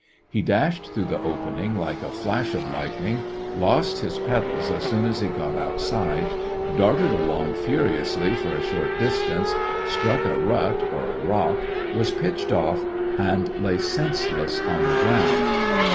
He dashed through the opening like a flash of lightning, lost his pedals as soon as he got out side, darted along furiously for a short dis tance, struck a rut or a rock, was pitched off, and lay senseless on the ground.